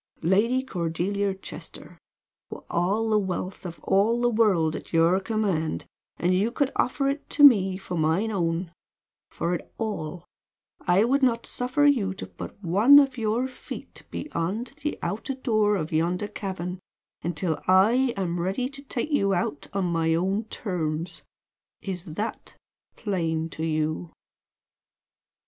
"Lady Cordelia Chester, were all the wealth of all the world at your command, and you could offer it to me for mine own, for it all I would not suffer you to put one of your feet beyond the outer door of yonder cavern until I am ready to take you out on my own terms. Is that plain to you?"